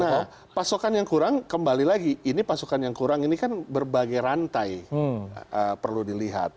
nah pasokan yang kurang kembali lagi ini pasokan yang kurang ini kan berbagai rantai perlu dilihat